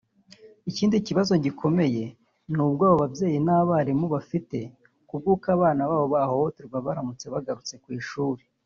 Ikindi kibazo gikomeye ni ubwoba ababyeyi n’abarimu bafite bw’uko abana babo bahohoterwa baramutse bagarutse ku ishuri